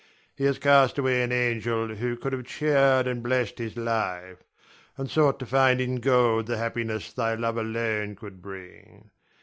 He has cast away an angel who could have cheered and blessed his life, and sought to find in gold the happiness thy love alone could bring.